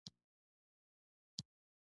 بيزو له ونو ټوپ وهي.